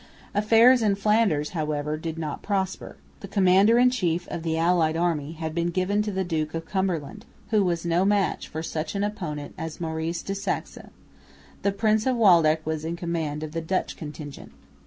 Affairs in Flanders however did not prosper. The command in chief of the allied army had been given to the Duke of Cumberland, who was no match for such an opponent as Maurice de Saxe. The Prince of Waldeck was in command of the Dutch contingent.